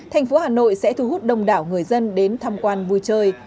thành phố hà nội sẽ thu hút đông đảo người dân đến tham quan vui chơi